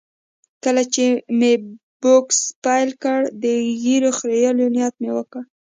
کله چې مې بوکس پیل کړ، د ږیرې خریلو نیت مې وکړ.